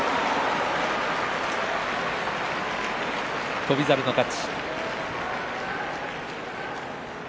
翔猿の勝ち。